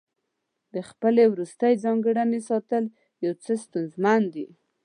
د خپلې وروستۍ ځانګړنې ساتل یو څه ستونزمن دي.